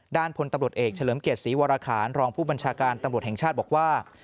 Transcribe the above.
พลตำรวจเอกเฉลิมเกียรติศรีวรคารรองผู้บัญชาการตำรวจแห่งชาติบอกว่า